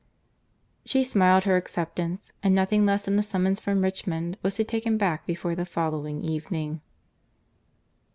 She smiled her acceptance; and nothing less than a summons from Richmond was to take him back before the following evening.